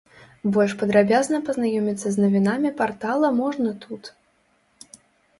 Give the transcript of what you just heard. Больш падрабязна пазнаёміцца з навінамі партала можна тут.